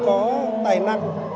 rất là có tài năng